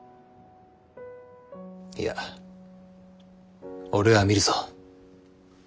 いや俺は見るぞ。